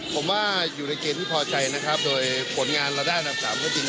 ผมว่าอยู่ในเกณฑ์ที่พอใจนะครับโดยผลงานเราได้อันดับสามก็จริง